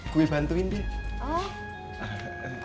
gue bantuin deh